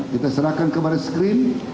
kita serahkan ke baris krim